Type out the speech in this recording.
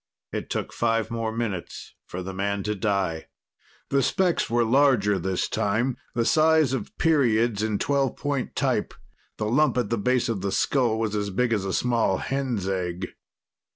It took five more minutes for the man to die. The specks were larger this time the size of periods in twelve point type. The lump at the base of the skull was as big as a small hen's egg.